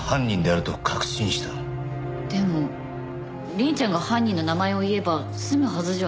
でも凛ちゃんが犯人の名前を言えば済むはずじゃ。